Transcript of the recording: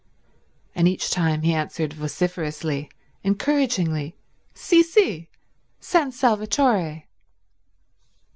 And each time he answered vociferously, encouragingly, "Sì, sì—San Salvatore."